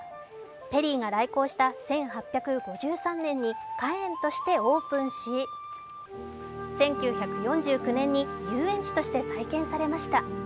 ペリーが来航した１８５３年に花園としてオープンし、花園としてオープンし、１９４９年に遊園地として再建されました。